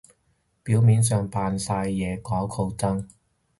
表面上扮晒嘢搞抗爭